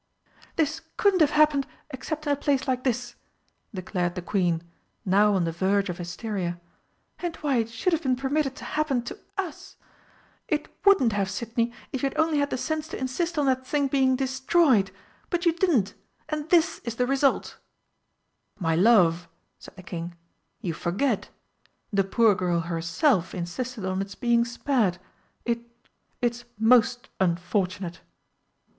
"This couldn't have happened except in a place like this!" declared the Queen, now on the verge of hysteria. "And why it should have been permitted to happen to US! It wouldn't have, Sidney, if you had only had the sense to insist on that thing being destroyed! But you didn't and this is the result!" "My love," said the King, "you forget. The poor girl herself insisted on its being spared. It it's most unfortunate!"